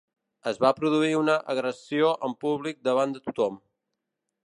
Es va produir una agressió en públic davant de tothom.